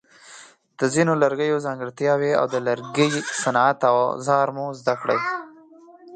د ځینو لرګیو ځانګړتیاوې او د لرګي صنعت اوزار مو زده کړي.